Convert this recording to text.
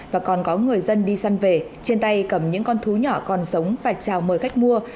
và còn có người dân đi săn về trên tay cầm những con thú nhỏ còn sống và chào mời khách mua